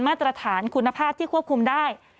มาตรฐานคุณภาพที่ควบคุมได้